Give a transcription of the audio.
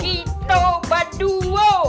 kita bat duo